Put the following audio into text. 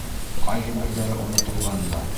Ҡайһы берҙәре онотолған да.